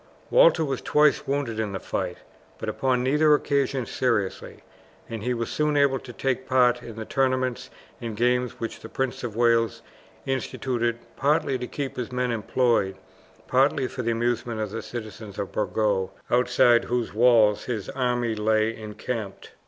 Walter was twice wounded in the fight, but upon neither occasion seriously, and he was soon able to take part in the tournaments and games which the Prince of Wales instituted partly to keep his men employed, partly for the amusement of the citizens of Burgos, outside whose walls his army lay encamped.